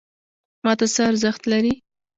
ماته څه ارزښت لري؟